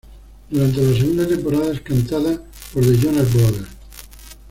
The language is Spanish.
Durante la segunda temporada es cantado por The Jonas Brothers.